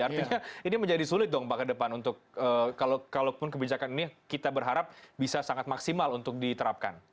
artinya ini menjadi sulit dong pak ke depan untuk kalaupun kebijakan ini kita berharap bisa sangat maksimal untuk diterapkan